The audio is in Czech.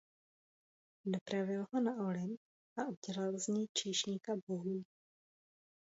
Dopravil ho na Olymp a udělal z něj číšníka bohů.